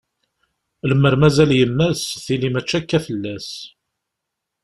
Lemmer mazal yemma-s, tili mačči akka fell-as.